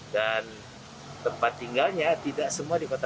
dan tempat tinggalnya tidak semua di kota